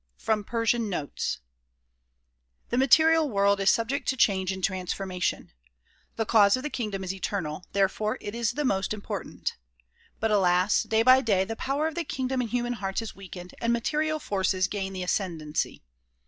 From Persian Notes THE material world is subject to change and transformation. The cause of the kingdom is eternal ; therefore it is the most important. But alas! day by day the power of the kingdom in human hearts is weakened and material forces gain the ascendency.